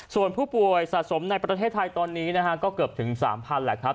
ส่วนผู้ป่วยสะสมในประเทศไทยตอนนี้นะฮะก็เกือบถึง๓๐๐แหละครับ